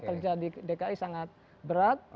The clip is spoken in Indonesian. kerja di dki sangat berat